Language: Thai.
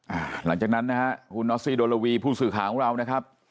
หลังจากนั้นนะฮะคุณนอสซี่โดรวีผู้สื่อข่าวของเรานะครับ